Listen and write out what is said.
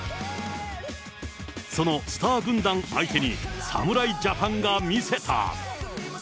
そのスター軍団相手に、侍ジャパンが見せた。